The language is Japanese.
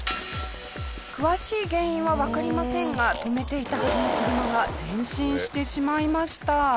詳しい原因はわかりませんが止めていたはずの車が前進してしまいました。